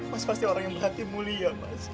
mas pasti orang yang berhati mulia mas